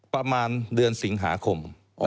ประมาณเดือนสิงหาคม